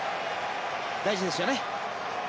大事ですよね。